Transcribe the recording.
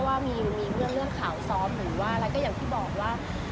ว่ามีเรื่องข่าวซ้อมหรือว่าอะไรก็อย่างที่บอกว่า